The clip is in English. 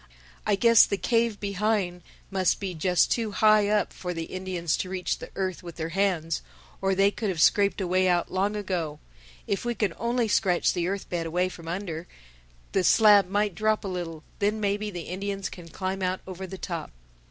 I guess the cave behind must be just too high up for the Indians to reach the earth with their hands, or they could have scraped a way out long ago. If we can only scratch the earth bed away from under, the slab might drop a little. Then maybe the Indians can climb out over the top."